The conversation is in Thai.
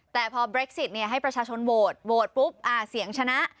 แต่พอเบรคซิตให้ประชาชนโหวตโหวตปุ๊บเสียงชนะ